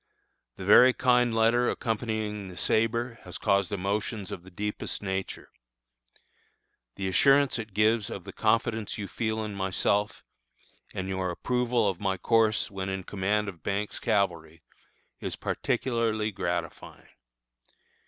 The very kind letter accompanying the sabre has caused emotions of the deepest nature. The assurance it gives of the confidence you feel in myself, and your approval of my course when in command of Banks' Cavalry, is particularly gratifying.